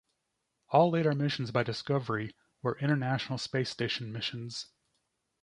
All later missions by Discovery were International Space Station missions.